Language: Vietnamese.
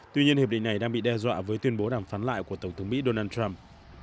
tuy nhiên hiệp định này đang bị đe dọa với tuyên bố đàm phán lại của tổng thống mỹ donald trump